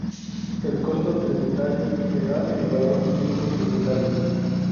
El costo tributario será el valor libro tributario.